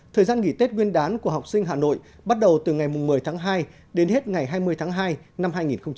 thời gian nghỉ tết nguyên đán của học sinh hà nội bắt đầu từ ngày một mươi tháng hai đến hết ngày hai mươi tháng hai năm hai nghìn hai mươi